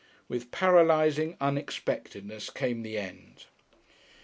§6 With paralysing unexpectedness came the end.